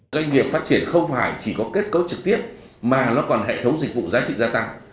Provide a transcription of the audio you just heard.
doanh nghiệp phát triển không phải chỉ có kết cấu trực tiếp mà nó còn hệ thống dịch vụ giá trị gia tăng